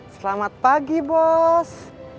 selamat pagi bos